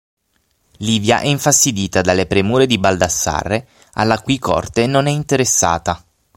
Livia è infastidita dalle premure di Baldassarre, alla cui corte non è interessata.